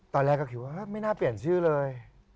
ตอนแรกก็คิดว่าไม่น่าเปลี่ยนชื่อเลย